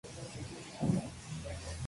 El estudio de caso, escrito por el Prof.